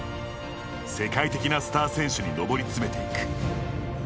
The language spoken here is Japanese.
世界的なスター選手に上り詰めていく。